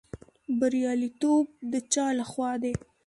بریالیتوب د چا لخوا دی؟